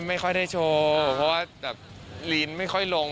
ไม่ค่อยได้โชว์เพราะว่าแบบลีนไม่ค่อยลง